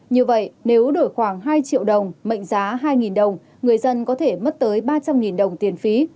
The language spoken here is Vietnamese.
như vậy nếu đổi khoảng hai triệu đồng mệnh giá hai đồng người dân có thể mất tới ba trăm linh đồng tiền phí